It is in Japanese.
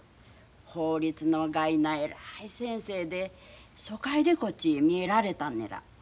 法律のがいな偉い先生で疎開でこっちに見えられたんねら。